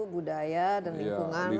budaya dan lingkungan harus